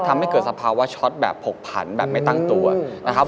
ทำให้เกิดสภาวะช็อตแบบผกผันแบบไม่ตั้งตัวนะครับ